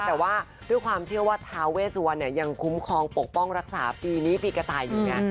แต่ว่าด้วยความเชื่อว่าทาเวสวันเนี่ยยังคุ้มครองปกป้องรักษาปีนี้ปีกระต่ายอยู่ไง